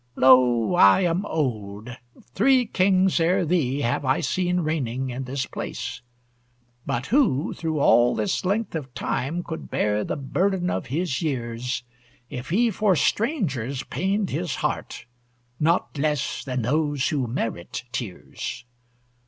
Lo, I am old! Three kings, ere thee, Have I seen reigning in this place. But who, through all this length of time, Could bear the burden of his years, If he for strangers pained his heart Not less than those who merit tears?